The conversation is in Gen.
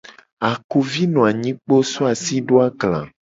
Akovi no anyi kpoo so asi do agla.